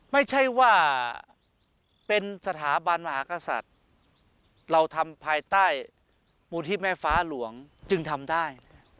ไม่ใช่ว่าเป็นสถาบันมหากษัตริย์เราทำภายใต้มูลที่แม่ฟ้าหลวงจึงทำได้